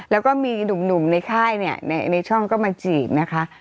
แล้วก็มีหนุ่มในค่ายเนี่ยในช่องก็มาจีบนะคะ